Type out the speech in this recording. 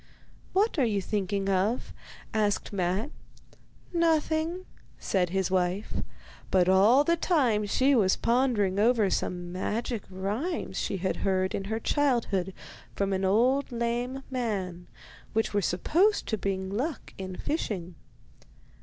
'What are you thinking of?' asked Matte. 'Nothing,' said his wife; but all the time she was pondering over some magic rhymes she had heard in her childhood from an old lame man, which were supposed to bring luck in fishing.